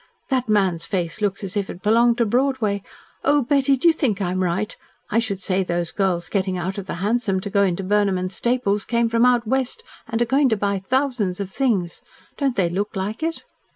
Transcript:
"That man's face looks as if it belonged to Broadway. Oh, Betty! do you think I am right? I should say those girls getting out of the hansom to go into Burnham & Staples' came from out West and are going to buy thousands of things. Don't they look like it?"